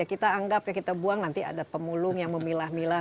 kita anggap ya kita buang nanti ada pemulung yang memilah milah